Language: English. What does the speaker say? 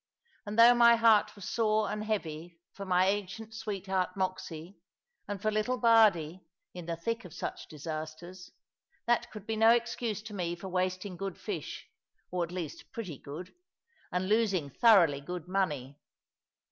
And though my heart was sore and heavy for my ancient sweetheart Moxy, and for little Bardie in the thick of such disasters, that could be no excuse to me for wasting good fish or at least pretty good and losing thoroughly good money.